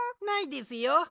ないですよ。